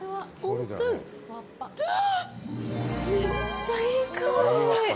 めっちゃいい香り！